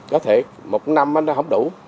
có thể một năm nó không đủ